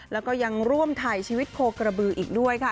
แล้วก็ยังร่วมถ่ายชีวิตโคกระบืออีกด้วยค่ะ